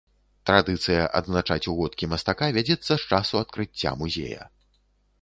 Традыцыя адзначаць угодкі мастака вядзецца з часу адкрыцця музея.